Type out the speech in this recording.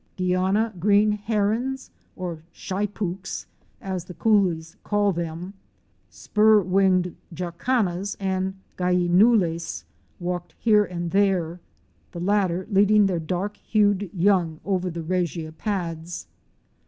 Guiana Green Herons * or '"'Shypooks "' as the coolies call them, Spur winged Jacanas"™ and Gallinules * walked here and there, the latter leading their dark hued young over the Regia pads.